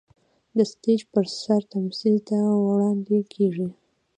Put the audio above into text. د سټېج پر سر تمثيل ته وړاندې کېږي.